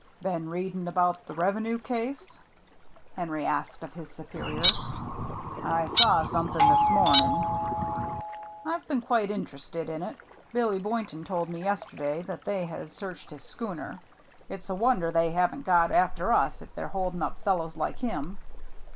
" Been reading about the revenue case ?*' Henry asked of his superior. " I saw something this morning/* "Tve been quite interested in it. Billy Boynton told me yesterday that they had searched his schooner. It's a wonder they haven't got after us if they're holding up fel lows like him.